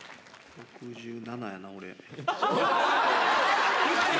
６７やな、俺。